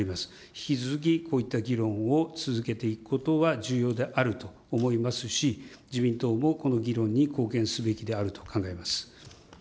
引き続き、こういった議論を続けていくことは重要であると思いますし、自民党も、この議論に貢献すべきであると考えます。